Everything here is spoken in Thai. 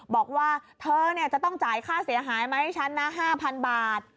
บอกว่าเธอจะต้องจ่ายค่าเสียหายมาให้ฉันนะ๕๐๐บาท